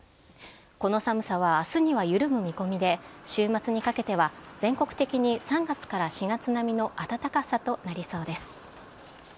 この寒さは明日には緩む見込みで週末にかけては全国的に３月から４月並みの暖かさとなりそうです。